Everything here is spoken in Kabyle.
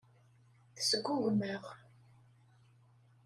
Tesgugem-aɣ.